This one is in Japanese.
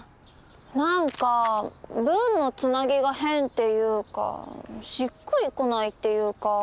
何か文のつなぎが変っていうかしっくり来ないっていうか。